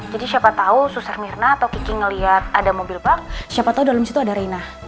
jadi siapa tau suster mirna atau kiki ngeliat ada mobil bak siapa tau dalam situ ada reina